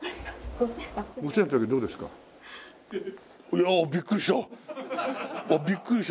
いやあびっくりした！